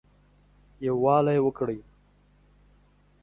يووالى وکړٸ